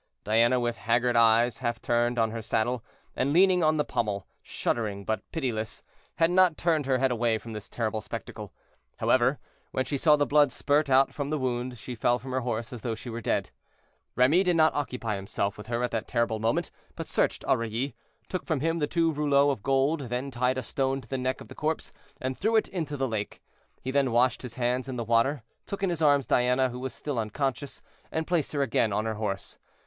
Diana, with haggard eyes, half turned on her saddle, and leaning on the pommel, shuddering, but pitiless, had not turned her head away from this terrible spectacle. However, when she saw the blood spurt out from the wound, she fell from her horse as though she were dead. Remy did not occupy himself with her at that terrible moment, but searched Aurilly, took from him the two rouleaux of gold, then tied a stone to the neck of the corpse, and threw it into the lake. He then washed his hands in the water, took in his arms Diana, who was still unconscious, and placed her again on her horse.